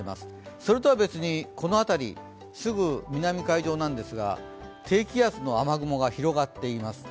それとは別にこの辺り、すぐ南海上なんですが、低気圧の雨雲が広がっています。